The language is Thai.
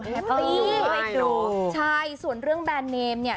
แฮปปี้ได้เนอะใช่ส่วนเรื่องแบนเนมเนี้ย